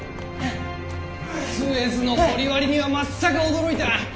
スエズの掘割にはまっさか驚いた。